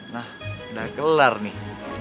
nah udah kelar nih